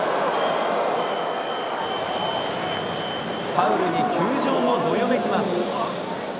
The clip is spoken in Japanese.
ファウルに球場もどよめきます。